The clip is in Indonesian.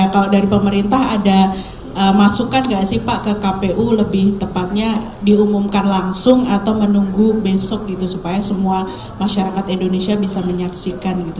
kalau dari pemerintah ada masukan nggak sih pak ke kpu lebih tepatnya diumumkan langsung atau menunggu besok gitu supaya semua masyarakat indonesia bisa menyaksikan gitu